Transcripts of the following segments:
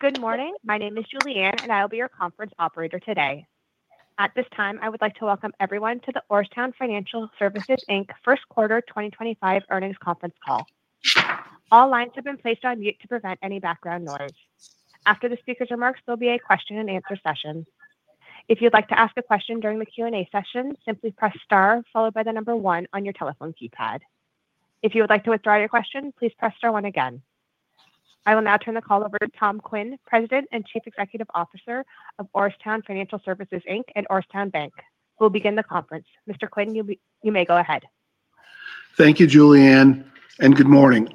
Good morning. My name is Julianne, and I'll be your conference operator today. At this time, I would like to welcome everyone to the Orrstown Financial Services, Inc. first quarter 2025 earnings conference call. All lines have been placed on mute to prevent any background noise. After the speaker's remarks, there'll be a question-and-answer session. If you'd like to ask a question during the Q&A session, simply press star followed by the number one on your telephone keypad. If you would like to withdraw your question, please press star one again. I will now turn the call over to Tom Quinn, President and Chief Executive Officer of Orrstown Financial Services, Inc. and Orrstown Bank, who will begin the conference. Mr. Quinn, you may go ahead. Thank you, Julianne, and good morning.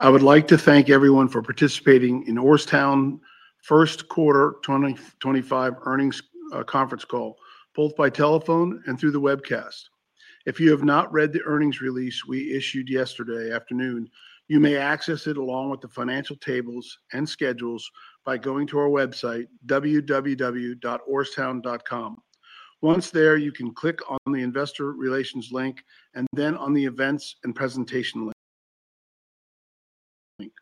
I would like to thank everyone for participating in Orrstown first quarter 2025 earnings conference call, both by telephone and through the webcast. If you have not read the earnings release we issued yesterday afternoon, you may access it along with the financial tables and schedules by going to our website, www.orrstown.com. Once there, you can click on the investor relations link and then on the Events and Presentation link.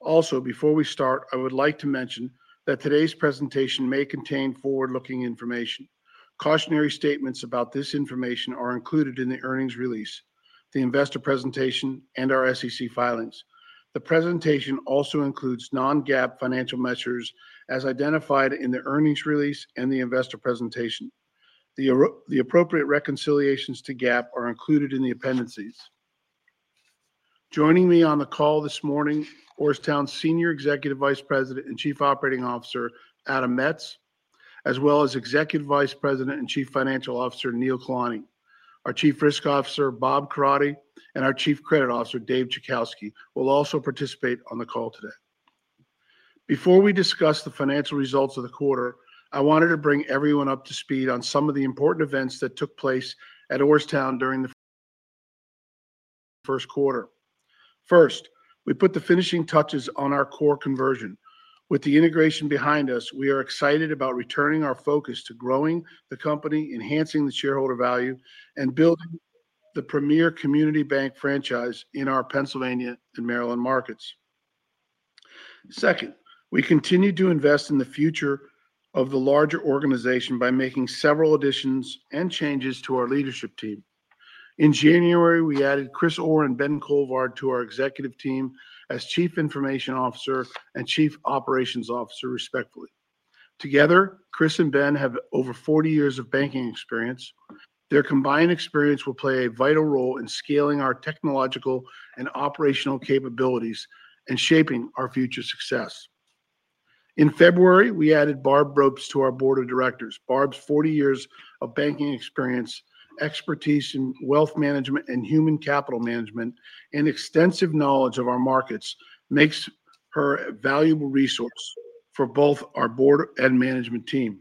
Also, before we start, I would like to mention that today's presentation may contain forward-looking information. Cautionary statements about this information are included in the earnings release, the investor presentation, and our SEC filings. The presentation also includes non-GAAP financial measures as identified in the earnings release and the investor presentation. The appropriate reconciliations to GAAP are included in the appendices. Joining me on the call this morning, Orrstown's Senior Executive Vice President and Chief Operating Officer, Adam Metz, as well as Executive Vice President and Chief Financial Officer, Neel Kalani. Our Chief Risk Officer, Bob Coradi, and our Chief Credit Officer, Dave Chajkowski, will also participate on the call today. Before we discuss the financial results of the quarter, I wanted to bring everyone up to speed on some of the important events that took place at Orrstown during the first quarter. First, we put the finishing touches on our core conversion. With the integration behind us, we are excited about returning our focus to growing the company, enhancing the shareholder value, and building the premier community bank franchise in our Pennsylvania and Maryland markets. Second, we continue to invest in the future of the larger organization by making several additions and changes to our leadership team. In January, we added Chris Orr and Ben Colvard to our executive team as Chief Information Officer and Chief Operations Officer, respectively. Together, Chris and Ben have over 40 years of banking experience. Their combined experience will play a vital role in scaling our technological and operational capabilities and shaping our future success. In February, we added Barb Ropes to our board of directors. Barb's 40 years of banking experience, expertise in wealth management and human capital management, and extensive knowledge of our markets make her a valuable resource for both our board and management team.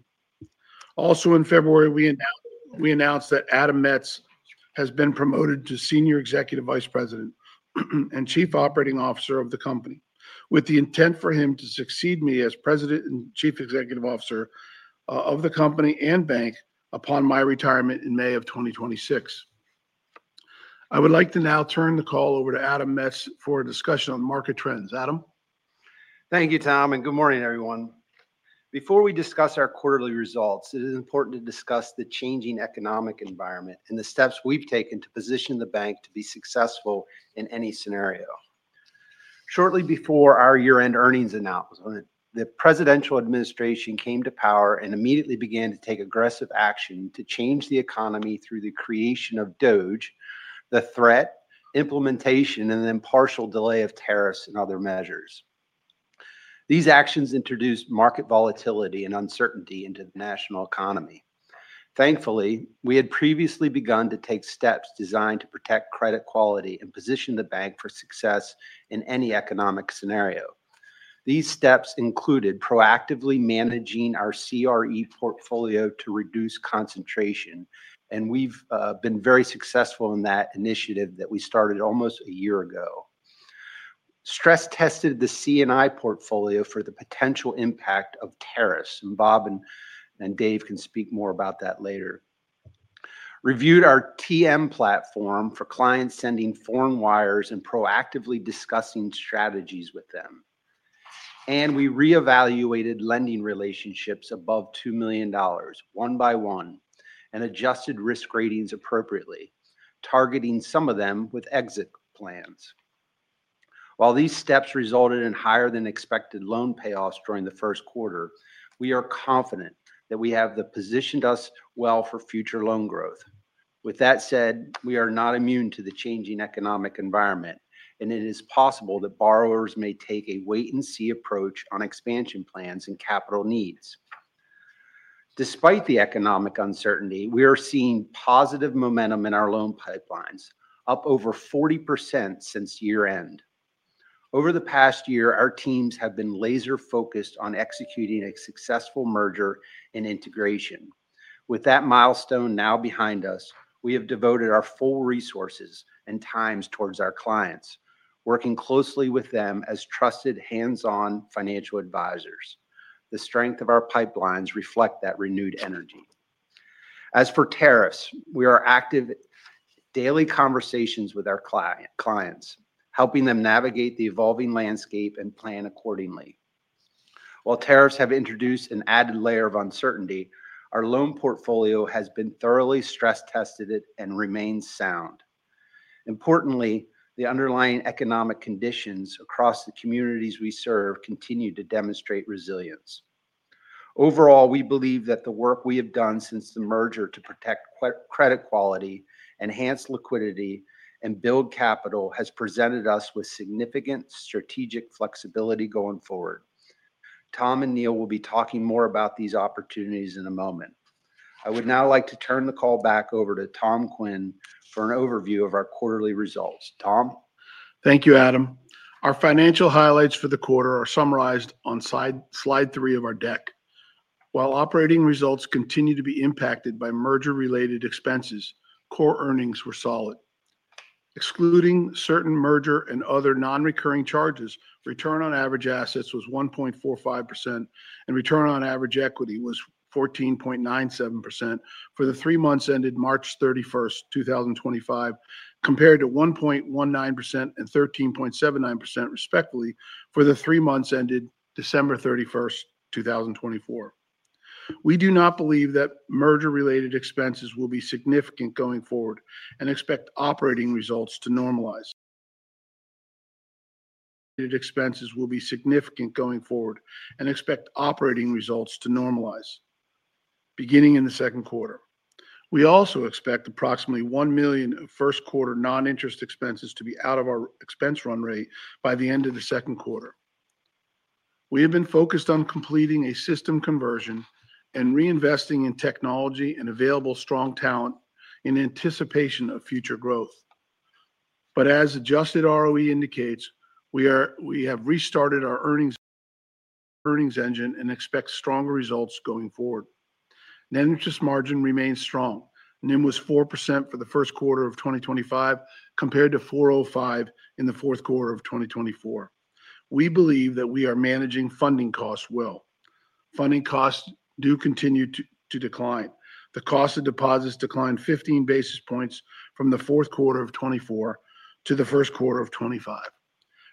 Also, in February, we announced that Adam Metz has been promoted to Senior Executive Vice President and Chief Operating Officer of the company, with the intent for him to succeed me as President and Chief Executive Officer of the company and bank upon my retirement in May of 2026. I would like to now turn the call over to Adam Metz for a discussion on market trends. Adam. Thank you, Tom, and good morning, everyone. Before we discuss our quarterly results, it is important to discuss the changing economic environment and the steps we've taken to position the bank to be successful in any scenario. Shortly before our year-end earnings announcement, the presidential administration came to power and immediately began to take aggressive action to change the economy through the creation of DOGE, the threat, implementation, and then partial delay of tariffs and other measures. These actions introduced market volatility and uncertainty into the national economy. Thankfully, we had previously begun to take steps designed to protect credit quality and position the bank for success in any economic scenario. These steps included proactively managing our CRE portfolio to reduce concentration, and we've been very successful in that initiative that we started almost a year ago. Stress-tested the C&I portfolio for the potential impact of tariffs, and Bob and Dave can speak more about that later. Reviewed our TM platform for clients sending foreign wires and proactively discussing strategies with them. We reevaluated lending relationships above $2 million, one by one, and adjusted risk ratings appropriately, targeting some of them with exit plans. While these steps resulted in higher-than-expected loan payoffs during the first quarter, we are confident that we have positioned us well for future loan growth. With that said, we are not immune to the changing economic environment, and it is possible that borrowers may take a wait-and-see approach on expansion plans and capital needs. Despite the economic uncertainty, we are seeing positive momentum in our loan pipelines, up over 40% since year-end. Over the past year, our teams have been laser-focused on executing a successful merger and integration. With that milestone now behind us, we have devoted our full resources and time towards our clients, working closely with them as trusted, hands-on financial advisors. The strength of our pipelines reflects that renewed energy. As for tariffs, we are active in daily conversations with our clients, helping them navigate the evolving landscape and plan accordingly. While tariffs have introduced an added layer of uncertainty, our loan portfolio has been thoroughly stress-tested and remains sound. Importantly, the underlying economic conditions across the communities we serve continue to demonstrate resilience. Overall, we believe that the work we have done since the merger to protect credit quality, enhance liquidity, and build capital has presented us with significant strategic flexibility going forward. Tom and Neele will be talking more about these opportunities in a moment. I would now like to turn the call back over to Tom Quinn for an overview of our quarterly results. Tom. Thank you, Adam. Our financial highlights for the quarter are summarized on slide three of our deck. While operating results continue to be impacted by merger-related expenses, core earnings were solid. Excluding certain merger and other non-recurring charges, return on average assets was 1.45%, and return on average equity was 14.97% for the three months ended March 31, 2025, compared to 1.19% and 13.79%, respectively, for the three months ended December 31, 2024. We do not believe that merger-related expenses will be significant going forward and expect operating results to normalize. Beginning in the second quarter. We also expect approximately $1 million of first-quarter non-interest expenses to be out of our expense run rate by the end of the second quarter. We have been focused on completing a system conversion and reinvesting in technology and available strong talent in anticipation of future growth. As adjusted ROE indicates, we have restarted our earnings engine and expect stronger results going forward. Net interest margin remains strong. NIM was 4% for the first quarter of 2025 compared to 4.05% in the fourth quarter of 2024. We believe that we are managing funding costs well. Funding costs do continue to decline. The cost of deposits declined 15 basis points from the fourth quarter of 2024 to the first quarter of 2025.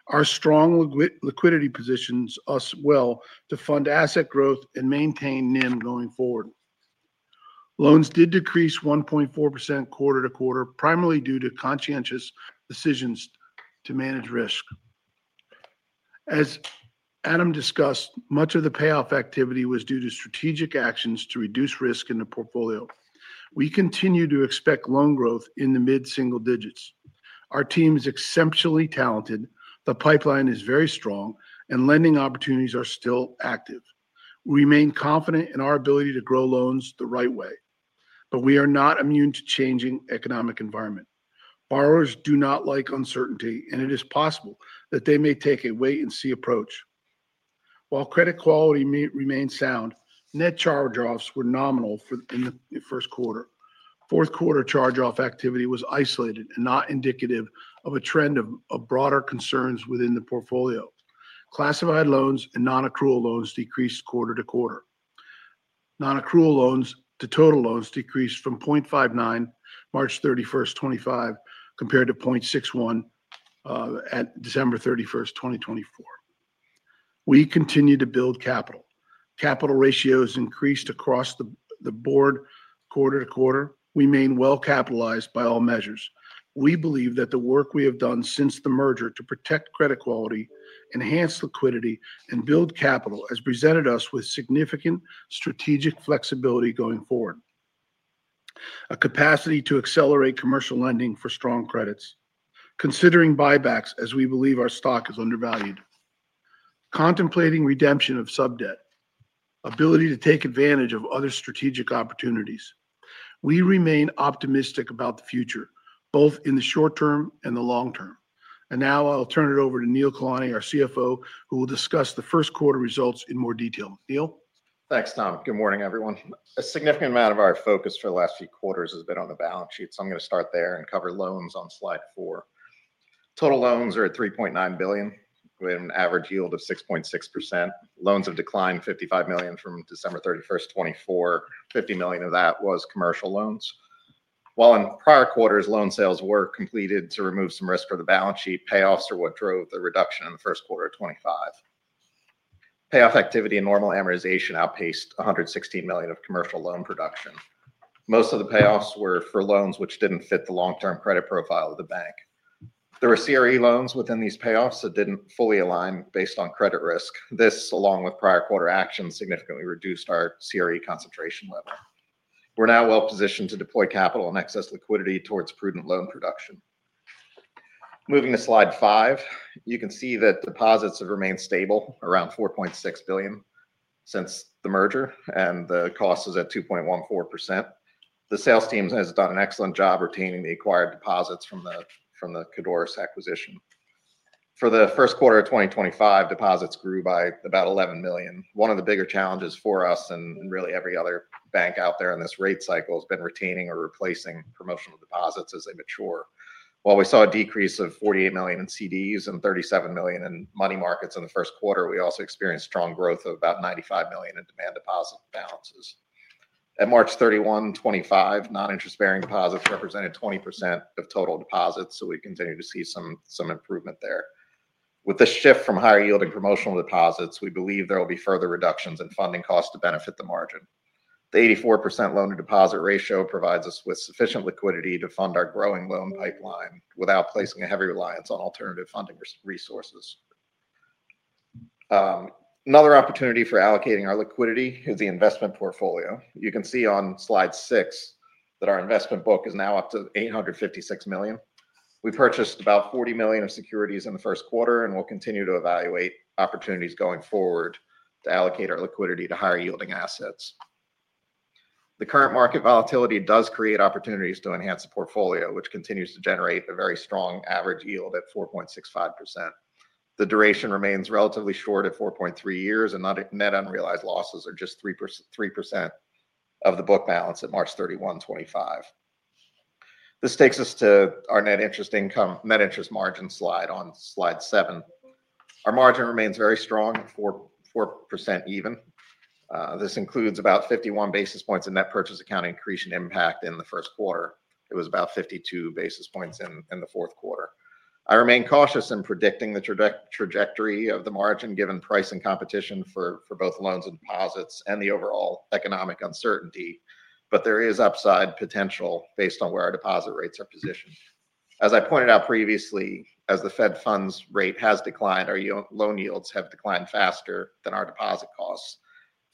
Our strong liquidity positions us well to fund asset growth and maintain NIM going forward. Loans did decrease 1.4% quarter to quarter, primarily due to conscientious decisions to manage risk. As Adam discussed, much of the payoff activity was due to strategic actions to reduce risk in the portfolio. We continue to expect loan growth in the mid-single digits. Our team is exceptionally talented, the pipeline is very strong, and lending opportunities are still active. We remain confident in our ability to grow loans the right way, but we are not immune to changing economic environment. Borrowers do not like uncertainty, and it is possible that they may take a wait-and-see approach. While credit quality remained sound, net charge-offs were nominal in the first quarter. Fourth-quarter charge-off activity was isolated and not indicative of a trend of broader concerns within the portfolio. Classified loans and non-accrual loans decreased quarter to quarter. Non-accrual loans to total loans decreased from 0.59% at March 31, 2025, compared to 0.61% at December 31, 2024. We continue to build capital. Capital ratios increased across the board quarter to quarter. We remain well-capitalized by all measures. We believe that the work we have done since the merger to protect credit quality, enhance liquidity, and build capital has presented us with significant strategic flexibility going forward. A capacity to accelerate commercial lending for strong credits, considering buybacks as we believe our stock is undervalued, contemplating redemption of subdebt, and the ability to take advantage of other strategic opportunities. We remain optimistic about the future, both in the short term and the long term. I will now turn it over to Neel Kalani, our CFO, who will discuss the first quarter results in more detail. Neel. Thanks, Tom. Good morning, everyone. A significant amount of our focus for the last few quarters has been on the balance sheet, so I'm going to start there and cover loans on slide four. Total loans are at $3.9 billion with an average yield of 6.6%. Loans have declined $55 million from December 31, 2024. $50 million of that was commercial loans. While in prior quarters, loan sales were completed to remove some risk for the balance sheet, payoffs are what drove the reduction in the first quarter of 2025. Payoff activity and normal amortization outpaced $116 million of commercial loan production. Most of the payoffs were for loans which didn't fit the long-term credit profile of the bank. There were CRE loans within these payoffs that didn't fully align based on credit risk. This, along with prior quarter actions, significantly reduced our CRE concentration level. We're now well-positioned to deploy capital and excess liquidity towards prudent loan production. Moving to slide five, you can see that deposits have remained stable, around $4.6 billion since the merger, and the cost is at 2.14%. The sales team has done an excellent job retaining the acquired deposits from the Codorus acquisition. For the first quarter of 2025, deposits grew by about $11 million. One of the bigger challenges for us, and really every other bank out there in this rate cycle, has been retaining or replacing promotional deposits as they mature. While we saw a decrease of $48 million in CDs and $37 million in money markets in the first quarter, we also experienced strong growth of about $95 million in demand deposit balances. At March 31, 2025, non-interest-bearing deposits represented 20% of total deposits, so we continue to see some improvement there. With the shift from higher yielding promotional deposits, we believe there will be further reductions in funding costs to benefit the margin. The 84% loan-to-deposit ratio provides us with sufficient liquidity to fund our growing loan pipeline without placing a heavy reliance on alternative funding resources. Another opportunity for allocating our liquidity is the investment portfolio. You can see on slide six that our investment book is now up to $856 million. We purchased about $40 million of securities in the first quarter, and we'll continue to evaluate opportunities going forward to allocate our liquidity to higher-yielding assets. The current market volatility does create opportunities to enhance the portfolio, which continues to generate a very strong average yield at 4.65%. The duration remains relatively short at 4.3 years, and net unrealized losses are just 3% of the book balance at March 31, 2025. This takes us to our net interest margin slide on slide seven. Our margin remains very strong, 4% even. This includes about 51 basis points in net purchase account increase in impact in the first quarter. It was about 52 basis points in the fourth quarter. I remain cautious in predicting the trajectory of the margin given price and competition for both loans and deposits and the overall economic uncertainty, but there is upside potential based on where our deposit rates are positioned. As I pointed out previously, as the Fed funds rate has declined, our loan yields have declined faster than our deposit costs.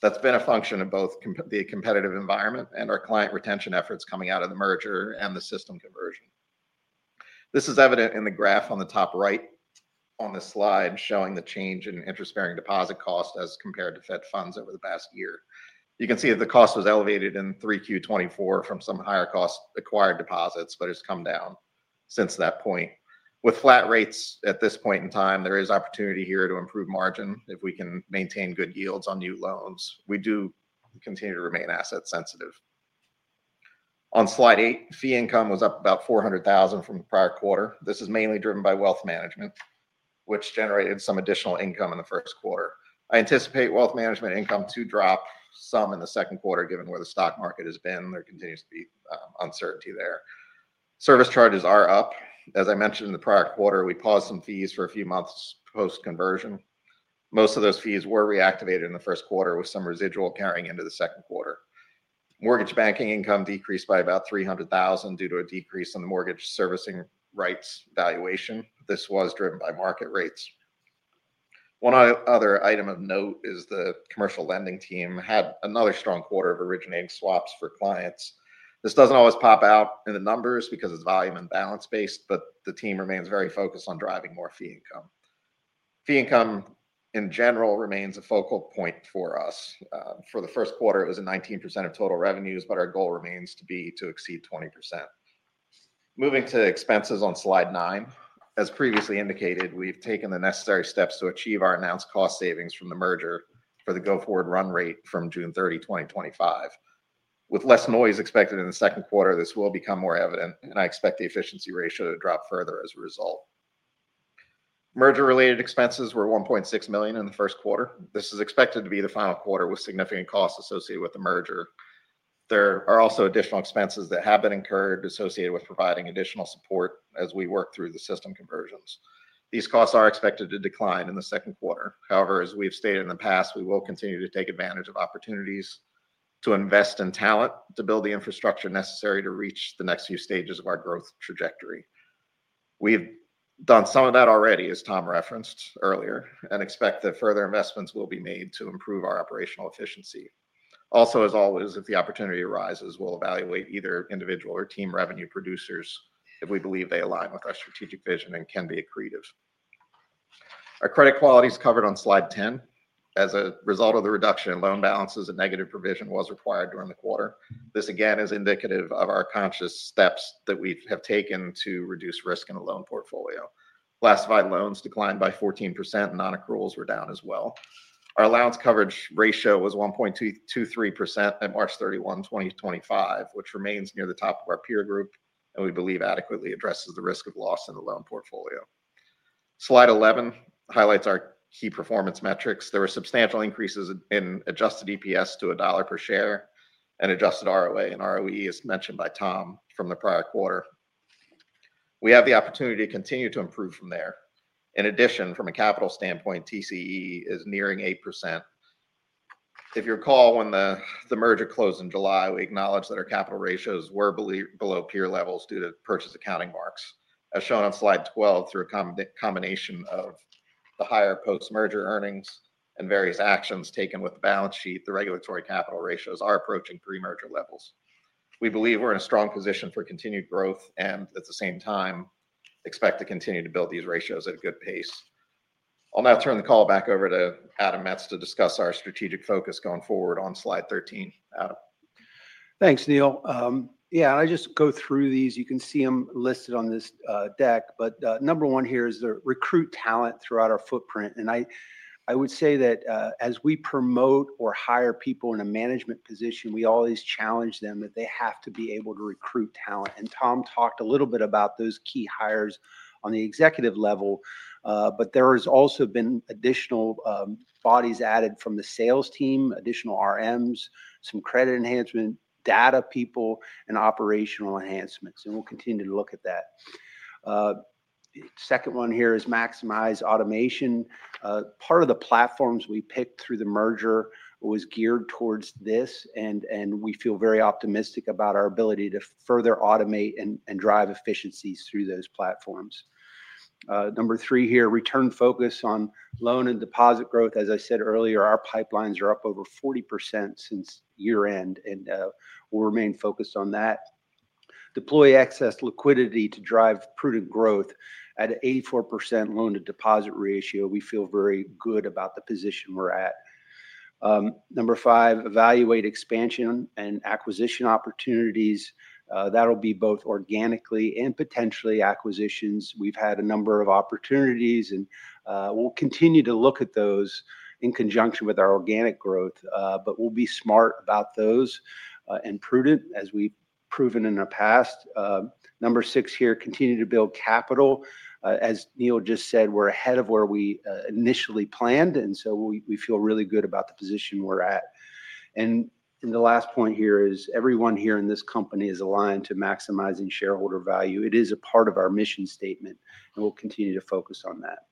That's been a function of both the competitive environment and our client retention efforts coming out of the merger and the system conversion. This is evident in the graph on the top right on the slide showing the change in interest-bearing deposit costs as compared to Fed funds over the past year. You can see that the cost was elevated in 3Q 2024 from some higher cost acquired deposits, but it's come down since that point. With flat rates at this point in time, there is opportunity here to improve margin if we can maintain good yields on new loans. We do continue to remain asset-sensitive. On slide eight, fee income was up about $400,000 from the prior quarter. This is mainly driven by wealth management, which generated some additional income in the first quarter. I anticipate wealth management income to drop some in the second quarter given where the stock market has been. There continues to be uncertainty there. Service charges are up. As I mentioned in the prior quarter, we paused some fees for a few months post-conversion. Most of those fees were reactivated in the first quarter with some residual carrying into the second quarter. Mortgage banking income decreased by about $300,000 due to a decrease in the mortgage servicing rights valuation. This was driven by market rates. One other item of note is the commercial lending team had another strong quarter of originating swaps for clients. This does not always pop out in the numbers because it is volume and balance-based, but the team remains very focused on driving more fee income. Fee income, in general, remains a focal point for us. For the first quarter, it was at 19% of total revenues, but our goal remains to be to exceed 20%. Moving to expenses on slide nine, as previously indicated, we've taken the necessary steps to achieve our announced cost savings from the merger for the go-forward run rate from June 30, 2025. With less noise expected in the second quarter, this will become more evident, and I expect the efficiency ratio to drop further as a result. Merger-related expenses were $1.6 million in the first quarter. This is expected to be the final quarter with significant costs associated with the merger. There are also additional expenses that have been incurred associated with providing additional support as we work through the system conversions. These costs are expected to decline in the second quarter. However, as we've stated in the past, we will continue to take advantage of opportunities to invest in talent to build the infrastructure necessary to reach the next few stages of our growth trajectory. We've done some of that already, as Tom referenced earlier, and expect that further investments will be made to improve our operational efficiency. Also, as always, if the opportunity arises, we'll evaluate either individual or team revenue producers if we believe they align with our strategic vision and can be accretive. Our credit quality is covered on slide 10. As a result of the reduction in loan balances, a negative provision was required during the quarter. This, again, is indicative of our conscious steps that we have taken to reduce risk in a loan portfolio. Classified loans declined by 14%, and non-accruals were down as well. Our allowance coverage ratio was 1.23% at March 31, 2025, which remains near the top of our peer group, and we believe adequately addresses the risk of loss in the loan portfolio. Slide 11 highlights our key performance metrics. There were substantial increases in adjusted EPS to a dollar per share and adjusted ROE, and ROE is mentioned by Tom from the prior quarter. We have the opportunity to continue to improve from there. In addition, from a capital standpoint, TCE is nearing 8%. If you recall, when the merger closed in July, we acknowledged that our capital ratios were below peer levels due to purchase accounting marks. As shown on slide 12, through a combination of the higher post-merger earnings and various actions taken with the balance sheet, the regulatory capital ratios are approaching pre-merger levels. We believe we're in a strong position for continued growth and, at the same time, expect to continue to build these ratios at a good pace. I'll now turn the call back over to Adam Metz to discuss our strategic focus going forward on slide 13. Thanks, Neele. Yeah, and I just go through these. You can see them listed on this deck, but number one here is the recruit talent throughout our footprint. I would say that as we promote or hire people in a management position, we always challenge them that they have to be able to recruit talent. Tom talked a little bit about those key hires on the executive level, but there has also been additional bodies added from the sales team, additional RMs, some credit enhancement, data people, and operational enhancements. We'll continue to look at that. The second one here is maximize automation. Part of the platforms we picked through the merger was geared towards this, and we feel very optimistic about our ability to further automate and drive efficiencies through those platforms. Number three here, return focus on loan and deposit growth. As I said earlier, our pipelines are up over 40% since year-end, and we'll remain focused on that. Deploy excess liquidity to drive prudent growth. At an 84% loan-to-deposit ratio, we feel very good about the position we're at. Number five, evaluate expansion and acquisition opportunities. That'll be both organically and potentially acquisitions. We've had a number of opportunities, and we'll continue to look at those in conjunction with our organic growth, but we'll be smart about those and prudent, as we've proven in our past. Number six here, continue to build capital. As Neele just said, we're ahead of where we initially planned, and so we feel really good about the position we're at. The last point here is everyone here in this company is aligned to maximizing shareholder value. It is a part of our mission statement, and we'll continue to focus on that.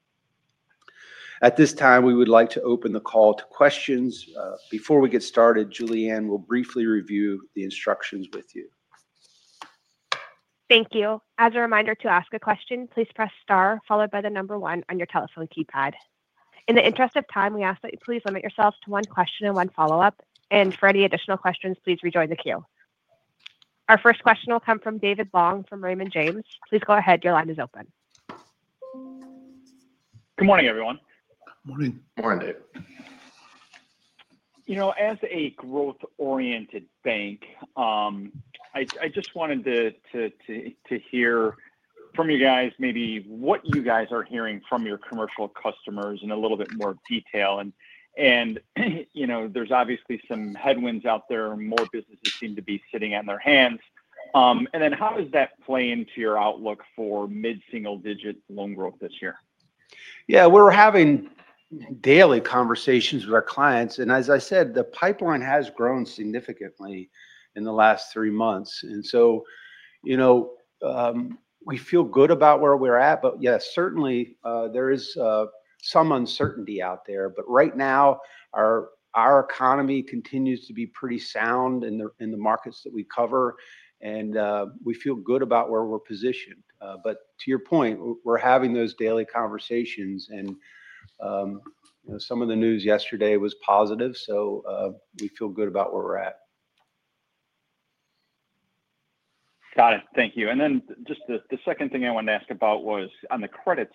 At this time, we would like to open the call to questions. Before we get started, Julianne will briefly review the instructions with you. Thank you. As a reminder to ask a question, please press star, followed by the number one on your telephone keypad. In the interest of time, we ask that you please limit yourselves to one question and one follow-up, and for any additional questions, please rejoin the queue. Our first question will come from David Long from Raymond James. Please go ahead. Your line is open. Good morning, everyone. Morning. Morning, David. As a growth-oriented bank, I just wanted to hear from you guys maybe what you guys are hearing from your commercial customers in a little bit more detail. There are obviously some headwinds out there. More businesses seem to be sitting on their hands. How does that play into your outlook for mid-single-digit loan growth this year? Yeah, we're having daily conversations with our clients. As I said, the pipeline has grown significantly in the last three months. We feel good about where we're at, but yes, certainly there is some uncertainty out there. Right now, our economy continues to be pretty sound in the markets that we cover, and we feel good about where we're positioned. To your point, we're having those daily conversations, and some of the news yesterday was positive, so we feel good about where we're at. Got it. Thank you. The second thing I wanted to ask about was, on the credit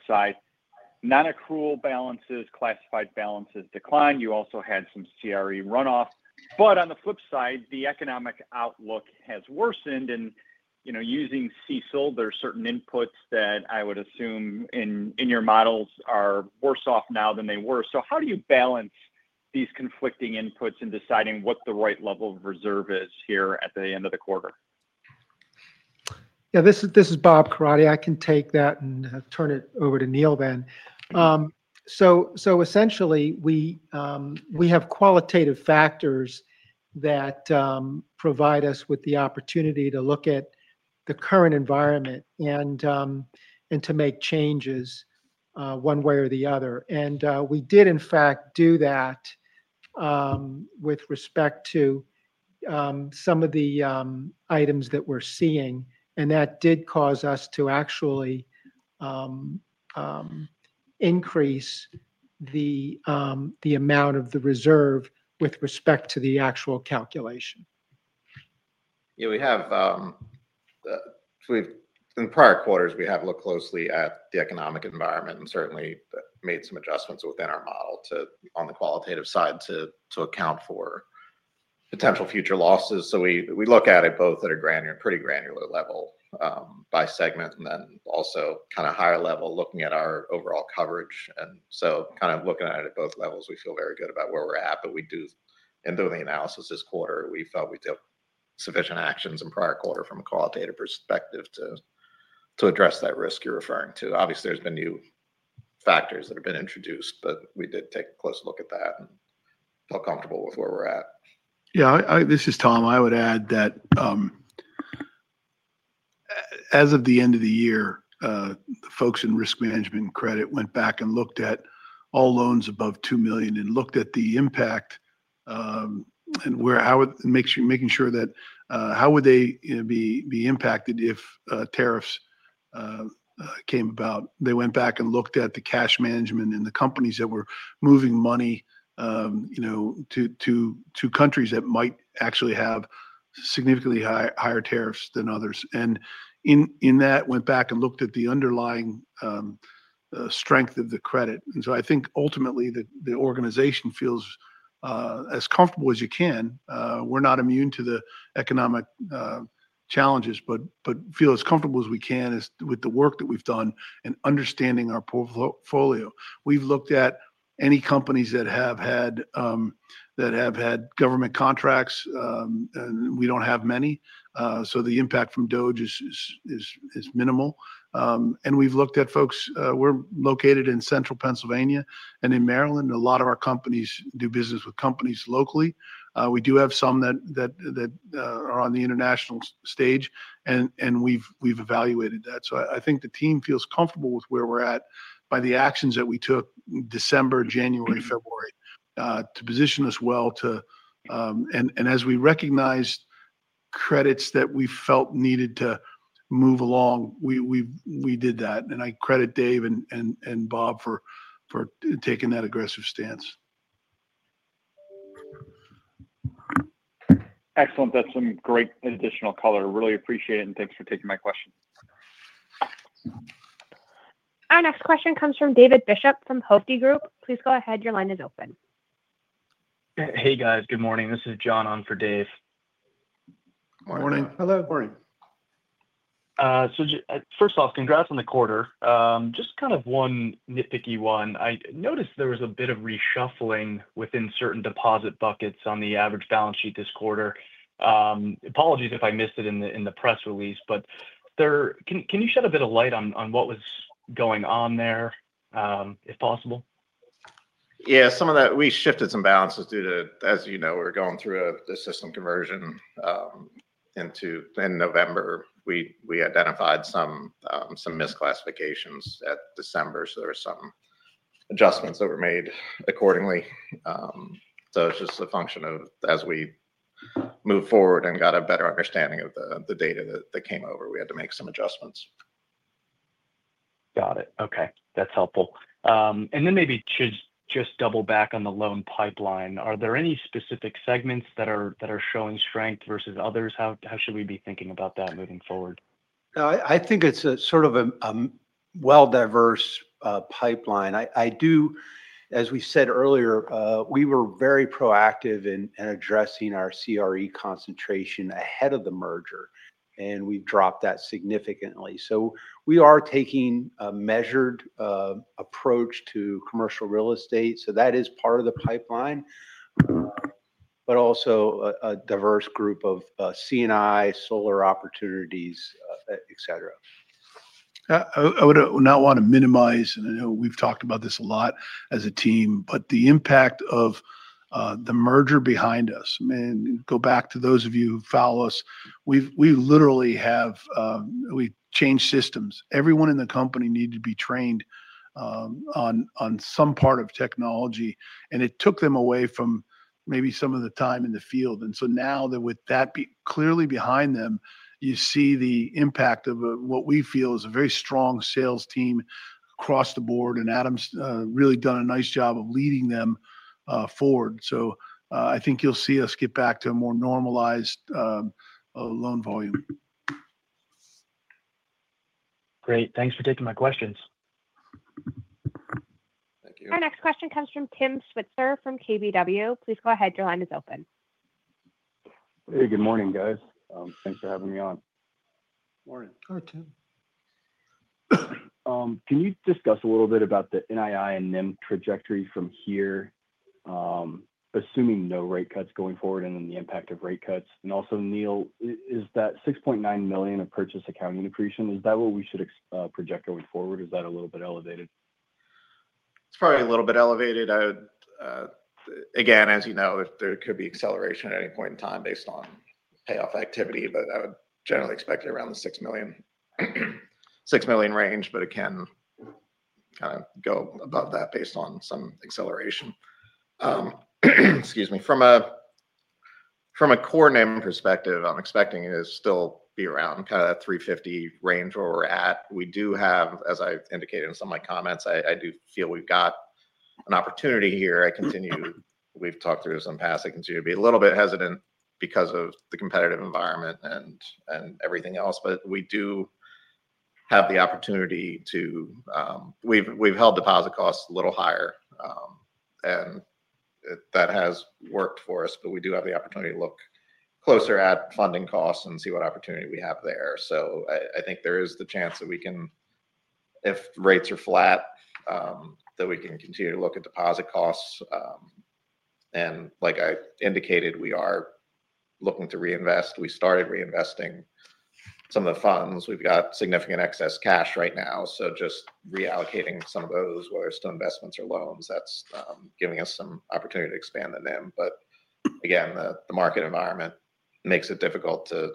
side, non-accrual balances, classified balances declined. You also had some CRE runoff. On the flip side, the economic outlook has worsened. Using CECL, there are certain inputs that I would assume in your models are worse off now than they were. How do you balance these conflicting inputs in deciding what the right level of reserve is here at the end of the quarter? Yeah, this is Bob Coradi. I can take that and turn it over to Neele then. Essentially, we have qualitative factors that provide us with the opportunity to look at the current environment and to make changes one way or the other. We did, in fact, do that with respect to some of the items that we're seeing, and that did cause us to actually increase the amount of the reserve with respect to the actual calculation. Yeah, we have, in prior quarters, looked closely at the economic environment and certainly made some adjustments within our model on the qualitative side to account for potential future losses. We look at it both at a pretty granular level by segment and then also kind of higher level looking at our overall coverage. Kind of looking at it at both levels, we feel very good about where we're at. We do, in doing the analysis this quarter, feel we took sufficient actions in prior quarters from a qualitative perspective to address that risk you're referring to. Obviously, there's been new factors that have been introduced, but we did take a close look at that and felt comfortable with where we're at. Yeah, this is Tom. I would add that as of the end of the year, folks in risk management and credit went back and looked at all loans above $2 million and looked at the impact and making sure that how would they be impacted if tariffs came about. They went back and looked at the cash management and the companies that were moving money to countries that might actually have significantly higher tariffs than others. In that, went back and looked at the underlying strength of the credit. I think ultimately the organization feels as comfortable as you can. We're not immune to the economic challenges, but feel as comfortable as we can with the work that we've done and understanding our portfolio. We've looked at any companies that have had government contracts, and we don't have many. The impact from DOGE is minimal. We have looked at folks. We're located in Central Pennsylvania and in Maryland. A lot of our companies do business with companies locally. We do have some that are on the international stage, and we've evaluated that. I think the team feels comfortable with where we're at by the actions that we took December, January, February to position us well. As we recognized credits that we felt needed to move along, we did that. I credit Dave and Bob for taking that aggressive stance. Excellent. That's some great additional color. Really appreciate it, and thanks for taking my question. Our next question comes from David Bishop from Hovde Group. Please go ahead. Your line is open. Hey, guys. Good morning. This is John on for Dave. Morning. Hello. Morning. First off, congrats on the quarter. Just kind of one nitpicky one. I noticed there was a bit of reshuffling within certain deposit buckets on the average balance sheet this quarter. Apologies if I missed it in the press release, but can you shed a bit of light on what was going on there, if possible? Yeah, some of that. We shifted some balances due to, as you know, we're going through a system conversion into November. We identified some misclassifications at December, so there were some adjustments that were made accordingly. It's just a function of, as we moved forward and got a better understanding of the data that came over, we had to make some adjustments. Got it. Okay. That's helpful. Maybe to just double back on the loan pipeline, are there any specific segments that are showing strength versus others? How should we be thinking about that moving forward? I think it's sort of a well-diverse pipeline. As we said earlier, we were very proactive in addressing our CRE concentration ahead of the merger, and we've dropped that significantly. We are taking a measured approach to commercial real estate. That is part of the pipeline, but also a diverse group of C&I, solar opportunities, etc. I would not want to minimize, and I know we've talked about this a lot as a team, the impact of the merger behind us. Go back to those of you who follow us. We literally have changed systems. Everyone in the company needed to be trained on some part of technology, and it took them away from maybe some of the time in the field. Now that with that clearly behind them, you see the impact of what we feel is a very strong sales team across the board, and Adam's really done a nice job of leading them forward. I think you'll see us get back to a more normalized loan volume. Great. Thanks for taking my questions. Thank you. Our next question comes from Tim Switzer from KBW. Please go ahead. Your line is open. Hey, good morning, guys. Thanks for having me on. Morning. Hi, Tim. Can you discuss a little bit about the NII and NIM trajectory from here, assuming no rate cuts going forward and then the impact of rate cuts? Also, Neele, is that $6.9 million of purchase accounting depletion, is that what we should project going forward? Is that a little bit elevated? It's probably a little bit elevated. Again, as you know, there could be acceleration at any point in time based on payoff activity, but I would generally expect it around the $6 million range, but it can kind of go above that based on some acceleration. Excuse me. From a core NIM perspective, I'm expecting it to still be around kind of that 3.50 range where we're at. We do have, as I indicated in some of my comments, I do feel we've got an opportunity here. We've talked through this in the past. I continue to be a little bit hesitant because of the competitive environment and everything else, but we do have the opportunity to we've held deposit costs a little higher, and that has worked for us, but we do have the opportunity to look closer at funding costs and see what opportunity we have there. I think there is the chance that we can, if rates are flat, that we can continue to look at deposit costs. Like I indicated, we are looking to reinvest. We started reinvesting some of the funds. We have significant excess cash right now, so just reallocating some of those, whether it is still investments or loans, that is giving us some opportunity to expand the NIM. Again, the market environment makes it difficult to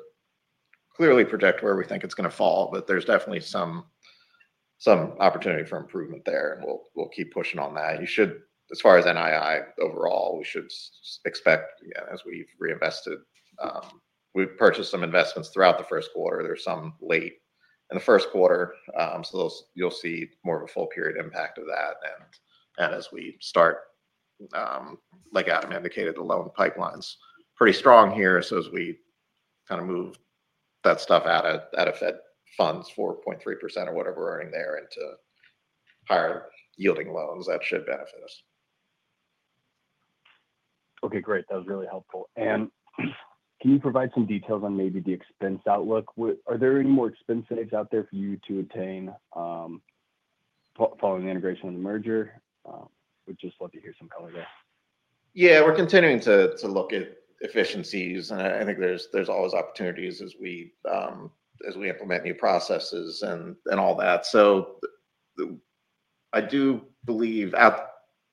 clearly project where we think it is going to fall, but there is definitely some opportunity for improvement there, and we will keep pushing on that. As far as NII overall, we should expect, again, as we have reinvested, we have purchased some investments throughout the first quarter. There are some late in the first quarter, so you will see more of a full-period impact of that. As we start, like Adam indicated, the loan pipeline's pretty strong here, so as we kind of move that stuff out of Fed funds, 4.3% or whatever we're earning there, into higher-yielding loans, that should benefit us. Okay, great. That was really helpful. Can you provide some details on maybe the expense outlook? Are there any more expense saves out there for you to attain following the integration of the merger? Would just love to hear some color there. Yeah, we're continuing to look at efficiencies, and I think there's always opportunities as we implement new processes and all that. I do believe,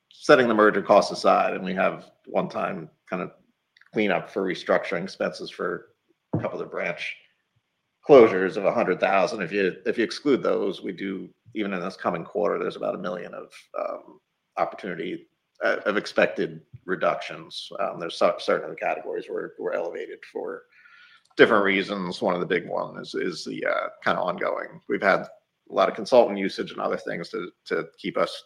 setting the merger costs aside, and we have one-time kind of cleanup for restructuring expenses for a couple of the branch closures of $100,000. If you exclude those, we do, even in this coming quarter, there's about $1 million of opportunity of expected reductions. There's certain categories where we're elevated for different reasons. One of the big ones is the kind of ongoing. We've had a lot of consultant usage and other things to keep us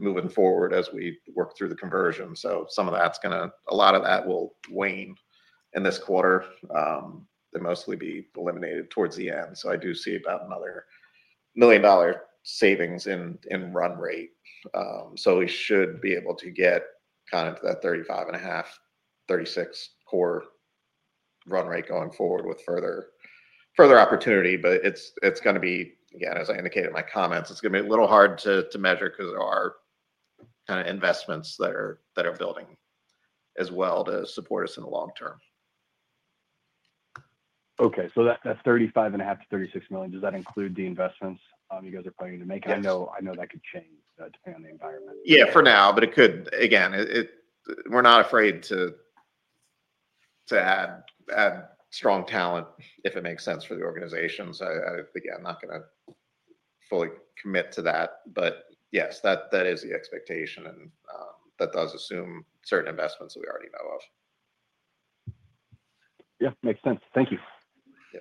moving forward as we work through the conversion. Some of that's going to, a lot of that will wane in this quarter. They'll mostly be eliminated towards the end. I do see about another $1 million savings in run rate. We should be able to get kind of that 35.5-36 core run rate going forward with further opportunity. It is going to be, again, as I indicated in my comments, a little hard to measure because there are kind of investments that are building as well to support us in the long term. Okay. So that $35.5-$36 million, does that include the investments you guys are planning to make? I know that could change depending on the environment. Yeah, for now, but it could. Again, we're not afraid to add strong talent if it makes sense for the organization. I'm not going to fully commit to that, but yes, that is the expectation, and that does assume certain investments that we already know of. Yeah, makes sense. Thank you. Yeah.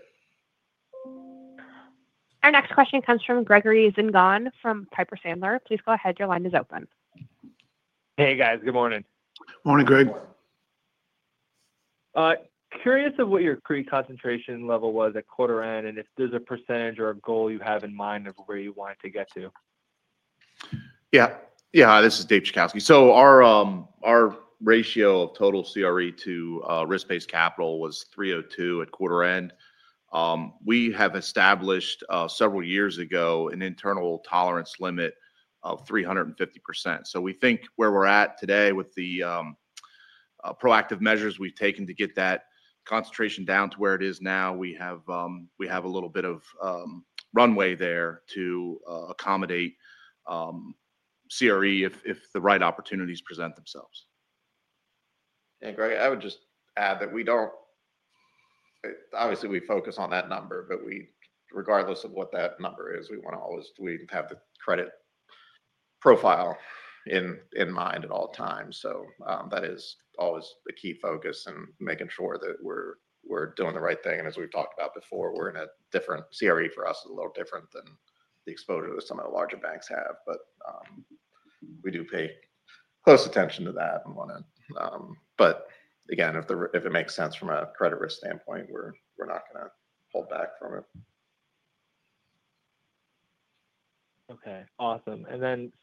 Our next question comes from Gregory Zingone from Piper Sandler. Please go ahead. Your line is open. Hey, guys. Good morning. Morning, Greg. Curious of what your pre-concentration level was at quarter-end and if there's a percentage or a goal you have in mind of where you wanted to get to. Yeah. Yeah, this is Dave Chajkowski. Our ratio of total CRE to risk-based capital was 302% at quarter-end. We have established several years ago an internal tolerance limit of 350%. We think where we're at today with the proactive measures we've taken to get that concentration down to where it is now, we have a little bit of runway there to accommodate CRE if the right opportunities present themselves. Yeah, Greg, I would just add that we do not obviously, we focus on that number, but regardless of what that number is, we want to always have the credit profile in mind at all times. That is always the key focus and making sure that we are doing the right thing. As we have talked about before, we are in a different CRE for us is a little different than the exposure that some of the larger banks have. We do pay close attention to that on one end. If it makes sense from a credit risk standpoint, we are not going to hold back from it. Okay. Awesome.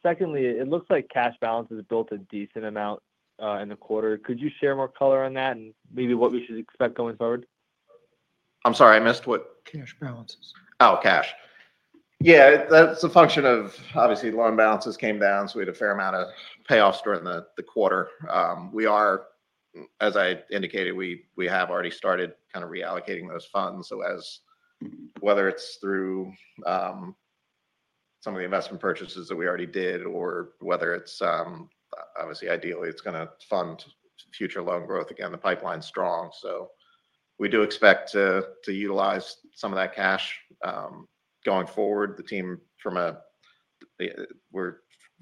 Secondly, it looks like cash balances built a decent amount in the quarter. Could you share more color on that and maybe what we should expect going forward? I'm sorry, I missed what? Cash balances. Oh, cash. Yeah, that's a function of obviously, loan balances came down, so we had a fair amount of payoffs during the quarter. As I indicated, we have already started kind of reallocating those funds. Whether it's through some of the investment purchases that we already did or whether it's obviously, ideally, it's going to fund future loan growth. Again, the pipeline's strong. We do expect to utilize some of that cash going forward. The team, we're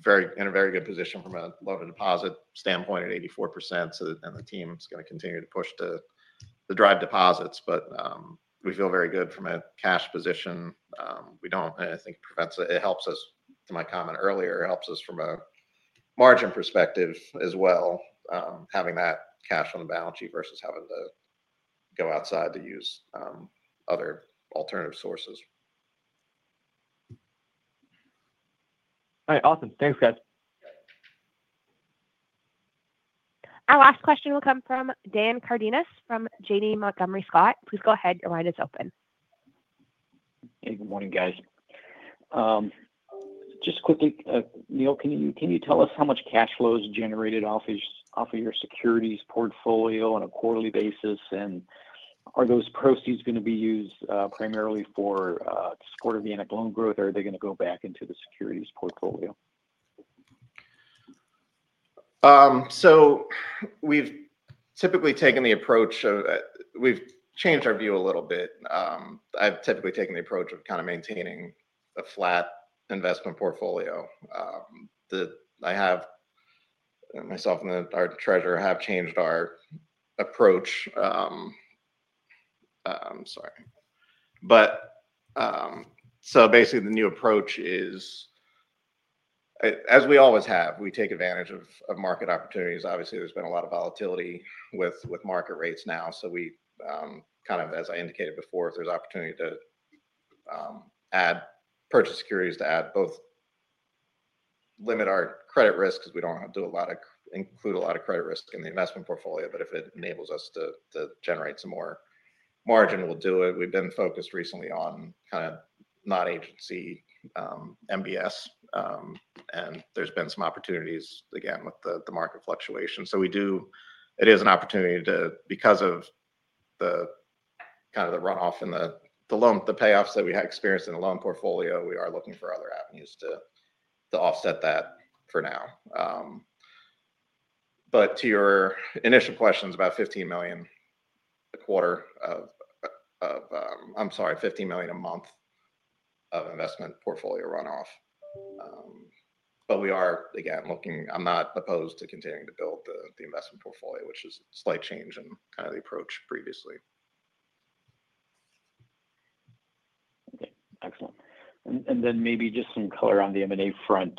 in a very good position from a loan and deposit standpoint at 84%, and the team's going to continue to push to drive deposits. We feel very good from a cash position. I think it helps us, to my comment earlier, it helps us from a margin perspective as well, having that cash on the balance sheet versus having to go outside to use other alternative sources. All right. Awesome. Thanks, guys. Okay. Our last question will come from Dan Cardenas from Janney Montgomery Scott. Please go ahead. Your line is open. Hey, good morning, guys. Just quickly, Neel, can you tell us how much cash flow is generated off of your securities portfolio on a quarterly basis? Are those proceeds going to be used primarily for organic loan growth, or are they going to go back into the securities portfolio? We've typically taken the approach of we've changed our view a little bit. I've typically taken the approach of kind of maintaining a flat investment portfolio. I have myself and our treasurer have changed our approach. I'm sorry. Basically, the new approach is, as we always have, we take advantage of market opportunities. Obviously, there's been a lot of volatility with market rates now. Kind of, as I indicated before, if there's opportunity to add purchase securities to add both limit our credit risk because we don't have to include a lot of credit risk in the investment portfolio, but if it enables us to generate some more margin, we'll do it. We've been focused recently on kind of non-agency MBS, and there's been some opportunities, again, with the market fluctuation. It is an opportunity to, because of kind of the runoff and the payoffs that we have experienced in the loan portfolio, we are looking for other avenues to offset that for now. To your initial questions about $15 million a quarter of—I'm sorry, $15 million a month of investment portfolio runoff. We are, again, looking—I am not opposed to continuing to build the investment portfolio, which is a slight change in kind of the approach previously. Okay. Excellent. Maybe just some color on the M&A front.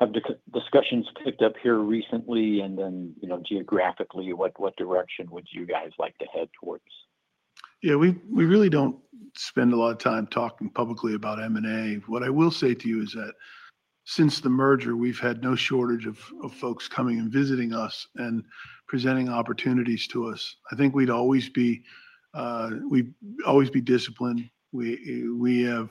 Have discussions picked up here recently? Geographically, what direction would you guys like to head towards? Yeah, we really don't spend a lot of time talking publicly about M&A. What I will say to you is that since the merger, we've had no shortage of folks coming and visiting us and presenting opportunities to us. I think we'd always be—we'd always be disciplined. We have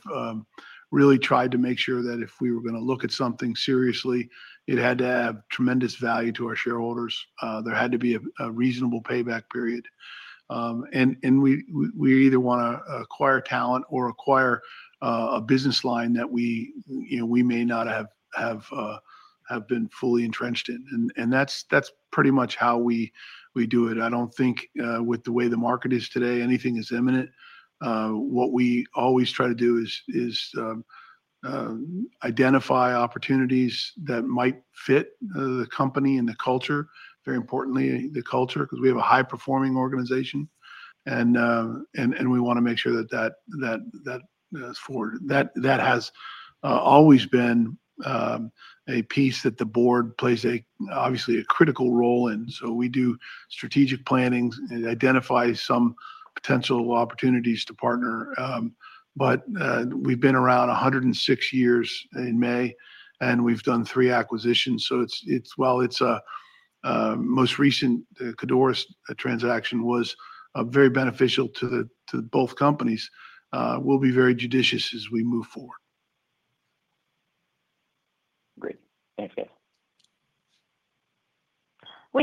really tried to make sure that if we were going to look at something seriously, it had to have tremendous value to our shareholders. There had to be a reasonable payback period. We either want to acquire talent or acquire a business line that we may not have been fully entrenched in. That's pretty much how we do it. I don't think with the way the market is today, anything is imminent. What we always try to do is identify opportunities that might fit the company and the culture, very importantly, the culture, because we have a high-performing organization, and we want to make sure that that has always been a piece that the board plays obviously a critical role in. We do strategic planning and identify some potential opportunities to partner. We have been around 106 years in May, and we have done three acquisitions. While it is a most recent Codorus transaction, it was very beneficial to both companies. We will be very judicious as we move forward. Great. Thanks, guys. We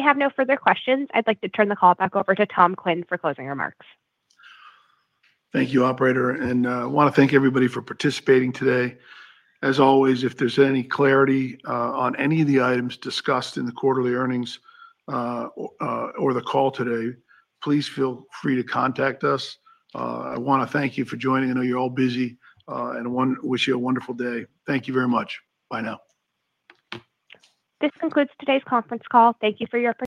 have no further questions. I'd like to turn the call back over to Tom Quinn for closing remarks. Thank you, operator. I want to thank everybody for participating today. As always, if there is any clarity on any of the items discussed in the quarterly earnings or the call today, please feel free to contact us. I want to thank you for joining. I know you are all busy, and I wish you a wonderful day. Thank you very much. Bye now. This concludes today's conference call. Thank you for your time.